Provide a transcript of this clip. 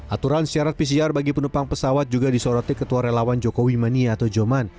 aturan syarat pcr bagi penumpang pesawat juga disoroti ketua relawan jokowi mania atau joman